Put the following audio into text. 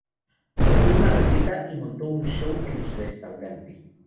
Cogió una rabieta y montó un show en el restaurante